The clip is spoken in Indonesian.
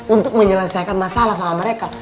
untuk menyelesaikan masalah sama mereka